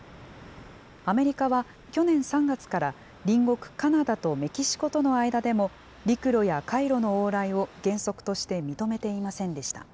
アメリカは、去年３月から隣国カナダとメキシコとの間でも、陸路や海路の往来を原則として認めていませんでした。